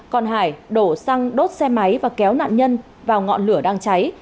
còn hải đổ xăng đốt xe máy và kéo nạn nhân vào ngọn lửa đang cháy